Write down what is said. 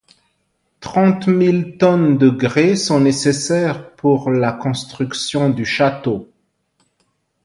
Trente mille tonnes de grès sont nécessaires pour la construction du château.